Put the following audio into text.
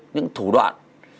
những cái thủ đoạn